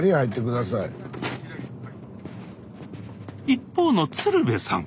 一方の鶴瓶さん